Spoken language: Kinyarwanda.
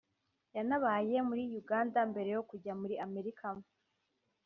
yanabaye muri Uganda mbere yo kujya muri Amerika